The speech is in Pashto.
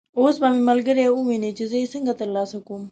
اوس به مې ملګري وویني چې زه یې څنګه تر لاسه کوم.